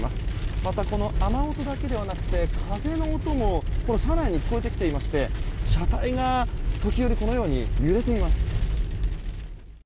また、この雨音だけではなくて風の音も車内に聞こえてきていまして車体が時折このように揺れています。